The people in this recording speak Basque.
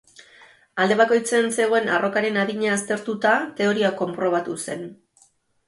Alde bakoitzean zegoen arrokaren adina aztertuta teoria konprobatu zen.